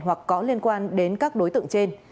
hoặc có liên quan đến các đối tượng trên